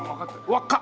輪っか！